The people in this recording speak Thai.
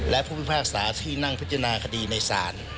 และผู้พิพากษาที่นั่งพิจารณาคดีในศาล